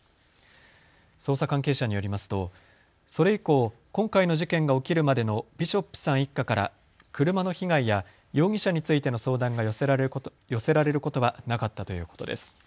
捜査関係者によりますとそれ以降、今回の事件が起きるまでのビショップさん一家から車の被害や容疑者についての相談が寄せられることはなかったということです。